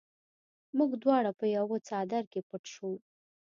موږ دواړه په یوه څادر کې پټ شوو